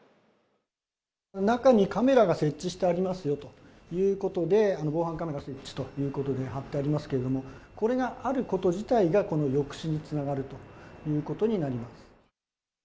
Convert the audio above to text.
中にカメラが設置してありますよということで、防犯カメラ設置ということで貼ってありますけれども、これがあること自体が、この抑止につながるということになります。